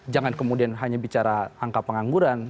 jangan kemudian hanya bicara angka pengangguran